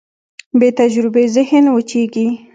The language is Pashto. بېتجربې ذهن وچېږي.